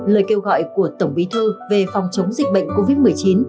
lời kêu gọi của tổng bí thư về phòng chống dịch bệnh covid một mươi chín